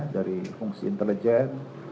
dari fungsi intelijen